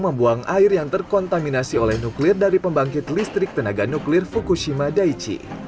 membuang air yang terkontaminasi oleh nuklir dari pembangkit listrik tenaga nuklir fukushima daichi